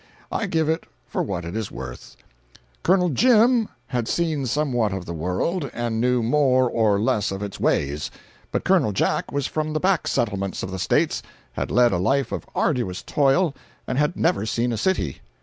I give it for what it is worth: Col. Jim had seen somewhat of the world, and knew more or less of its ways; but Col. Jack was from the back settlements of the States, had led a life of arduous toil, and had never seen a city.